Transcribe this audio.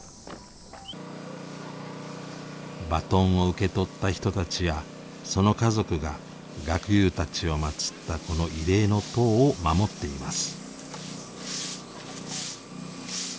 バトンを受け取った人たちやその家族が学友たちを祀ったこの慰霊の塔を守っています。